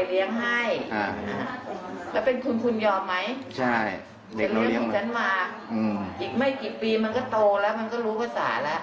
อีกไม่กี่ปีมันก็โตแล้มันก็รู้ภาษาแล้